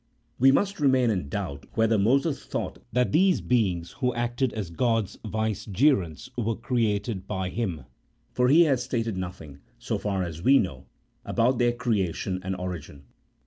We must CHAP. II.] OF PROPHETS. 37 remain in doubt whether Moses thought that these "beings who acted as God' s vicegerents were created by Him, for he has stated nothing, so far as we know, about their creation and origin.